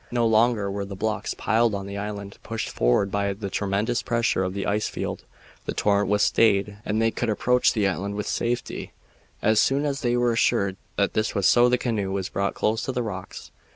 No longer were the blocks piled on the island pushed forward by the tremendous pressure of the ice field. The torrent was stayed and they could approach the island with safety. As soon as they were assured that this was so the canoe was brought close to the rocks.